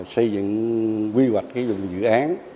xây dựng quy hoạch dự án